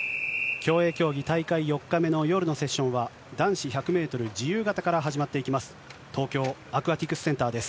競泳競技大会４日目の夜のセッションは、男子１００メートル自由形から始まっていきます。